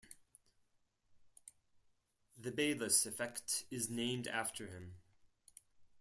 The Bayliss Effect is named after him.